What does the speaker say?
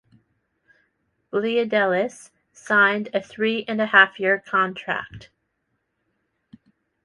Bleidelis signed a three-and-a-half-year contreact.